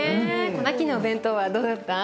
マキのお弁当はどうだった？